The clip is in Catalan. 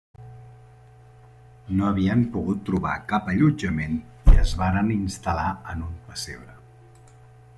No havien pogut trobar cap allotjament i es varen instal·lar en un pessebre.